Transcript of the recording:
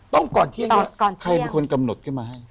ต้องก่อนเที่ยงอะไรคอยแต่ว่มันคนกำหนดก็พักเว่น